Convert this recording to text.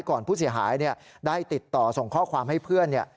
ก่อนผู้เสียหายได้ติดต่อส่งข้อความให้เพื่อน